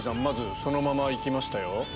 まずそのまま行きましたよ。